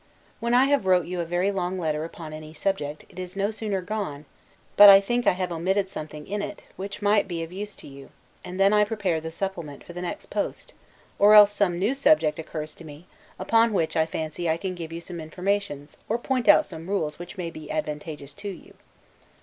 When I have wrote you a very long letter upon any subject, it is no sooner gone, but I think I have omitted something in it, which might be of use to you; and then I prepare the supplement for the next post: or else some new subject occurs to me, upon which I fancy I can give you some informations, or point out some rules which may be advantageous to you.